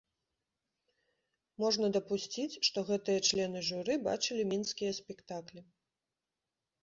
Можна дапусціць, што гэтыя члены журы бачылі мінскія спектаклі.